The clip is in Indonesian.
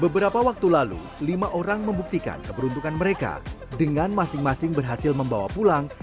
beberapa waktu lalu lima orang membuktikan keberuntungan mereka dengan masing masing berhasil membawa pulang